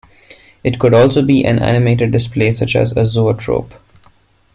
It could also be an animated display such as a zoetrope.